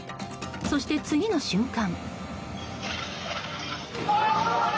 そして次の瞬間。